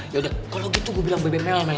yaudah kalau gitu gue bilang bebe mel mel